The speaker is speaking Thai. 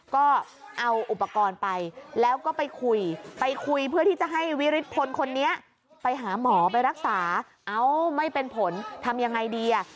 ก็เอาอุปกรณ์ไปแล้วก็ไปคุย